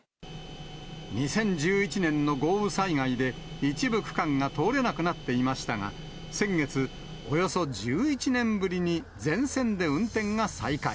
２０１１年の豪雨災害で、一部区間が通れなくなっていましたが、先月、およそ１１年ぶりに全線で運転が再開。